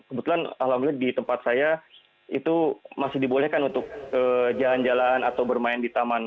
kebetulan alhamdulillah di tempat saya itu masih dibolehkan untuk jalan jalan atau bermain di taman